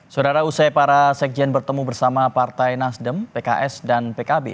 saudara usai para sekjen bertemu bersama partai nasdem pks dan pkb